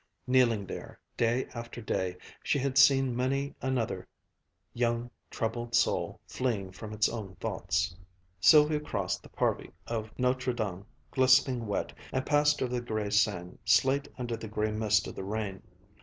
Kneeling there, day after day, she had seen many another young, troubled soul fleeing from its own thoughts. Sylvia crossed the parvis of Notre Dame, glistening wet, and passed over the gray Seine, slate under the gray mist of the rain.